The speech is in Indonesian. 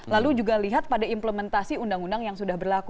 lalu juga lihat pada implementasi undang undang yang sudah berlaku